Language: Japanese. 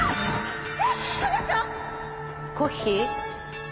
コッヒー？